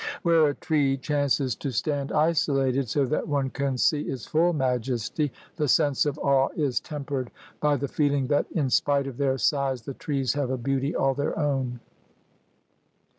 Where a tree chances to stand isolated so that one can see its full majesty, the sense of av/e is tempered by the feeling that in spite of their size the trees have a beauty all their own.